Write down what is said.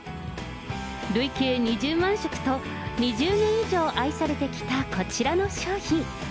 累計２０万食と、２０年以上愛されてきたこちらの商品。